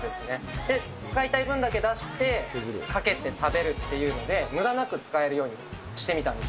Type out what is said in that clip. で、使いたい分だけ出して、かけて食べるっていうので、むだなく使えるようにしてみたんです。